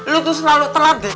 lo tuh selalu telat deh